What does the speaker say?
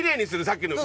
さっきの。